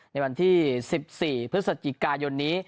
ในวันที่สิบสี่พฤศจิกายนนี้